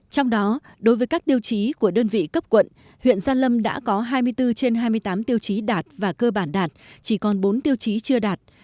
trong đó đối với các tiêu chí của đơn vị cấp quận huyện gia lâm đã có hai mươi bốn trên hai mươi tám tiêu chí đạt và cơ bản đạt chỉ còn bốn tiêu chí chưa đạt